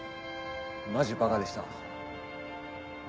マジバカでした。